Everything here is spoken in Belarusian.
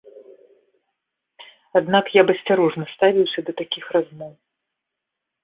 Аднак я б асцярожна ставіўся да такіх размоў.